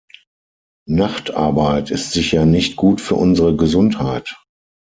Nachtarbeit ist sicher nicht gut für unsere Gesundheit.